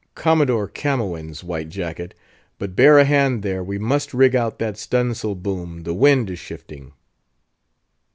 "Commodore Camoens, White Jacket.—But bear a hand there; we must rig out that stun' sail boom—the wind is shifting."